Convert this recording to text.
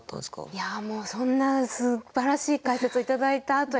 いやもうそんなすばらしい解説を頂いたあとに話す感じの。